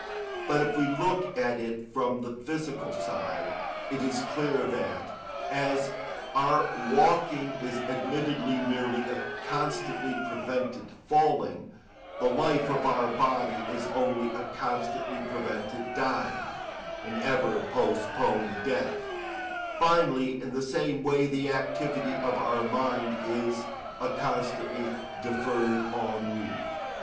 But if we look at it from the physical side; it is clear that, as our walking is admittedly merely a constantly prevented falling, the life of our body is only a constantly prevented dying, an ever postponed death: finally, in the same way, the activity of our mind is a constantly deferred ennui.